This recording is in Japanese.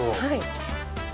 はい。